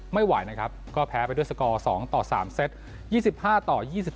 ไม่ไหวนะครับก็แพ้ไปด้วยสกอร์๒ต่อ๓เซต๒๕ต่อ๒๓